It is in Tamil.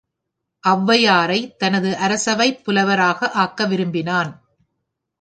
ஒளவையாரைத் தனது அரசவைப் புலவராக ஆக்க விரும்பினான்.